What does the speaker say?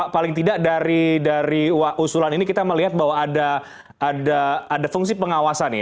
paling tidak dari usulan ini kita melihat bahwa ada fungsi pengawasan ya